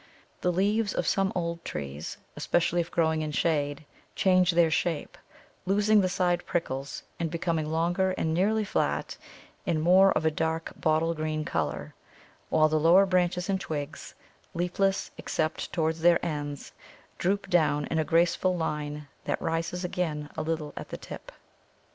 The leaves of some old trees, especially if growing in shade, change their shape, losing the side prickles and becoming longer and nearly flat and more of a dark bottle green colour, while the lower branches and twigs, leafless except towards their ends, droop down in a graceful line that rises again a little at the tip.